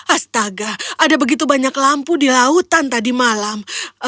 astaga ada begitu banyak lampu di lautan tadi malam